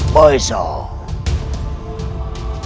dan bisa depan